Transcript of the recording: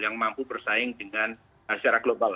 yang mampu bersaing dengan secara global